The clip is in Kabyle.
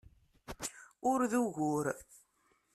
Ur d ugur!